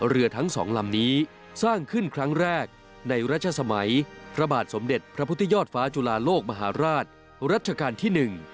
เรือทั้งสองลำนี้สร้างขึ้นครั้งแรกในรัชสมัยพระบาทสมเด็จพระพุทธยอดฟ้าจุลาโลกมหาราชรัชกาลที่๑